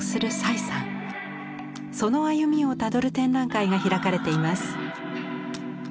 その歩みをたどる展覧会が開かれています。